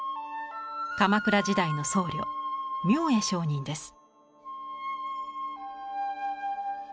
鎌倉時代の僧侶明恵上人です。